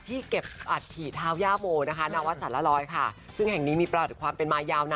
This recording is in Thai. ซึ่งในแห่งนี้มีประหลาดที่ความเป็นไม้ยาว